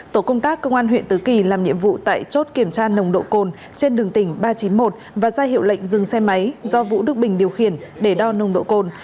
tổ công tác công an huyện tứ kỳ làm nhiệm vụ tại chốt kiểm tra nồng độ cồn trên đường tỉnh ba trăm chín mươi một và ra hiệu lệnh dừng xe máy do vũ đức bình điều khiển để đo nồng độ cồn